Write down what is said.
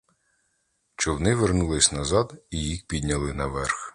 Човни вернулись назад, і їх підняли наверх.